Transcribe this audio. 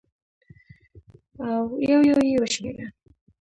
او یو یو یې وشمېره